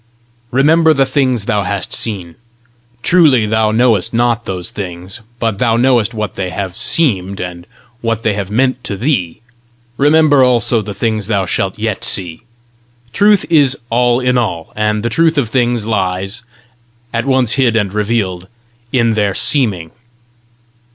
Remember the things thou hast seen. Truly thou knowest not those things, but thou knowest what they have seemed, what they have meant to thee! Remember also the things thou shalt yet see. Truth is all in all; and the truth of things lies, at once hid and revealed, in their seeming."